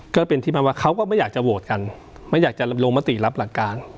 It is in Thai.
ก็เป็นที่มาว่าเขาก็ไม่อยากจะโหวตกันไม่อยากจะลงมติรับหลักการ